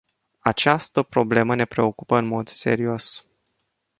Această problemă ne preocupă în mod serios.